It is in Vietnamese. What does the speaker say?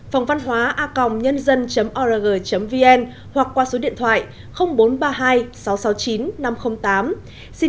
phongvănhoaacongnhanzan org vn hoặc qua số điện thoại bốn trăm ba mươi hai sáu trăm sáu mươi chín năm trăm linh tám